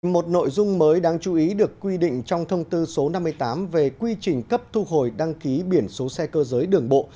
một nội dung mới đáng chú ý được quy định trong thông tư số năm mươi tám về quy trình cấp thu hồi đăng ký biển số xe cơ giới đường bộ